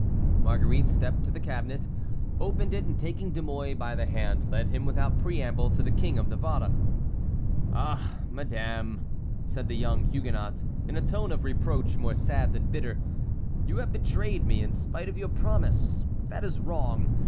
Marguerite stepped to the cabinet, opened it, and taking De Mouy by the hand led him without preamble to the King of Navarre. "Ah! madame," said the young Huguenot, in a tone of reproach more sad than bitter, "you have betrayed me in spite of your promise; that is wrong.